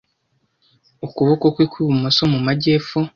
Ukuboko kwe kwibumoso mu majyepfo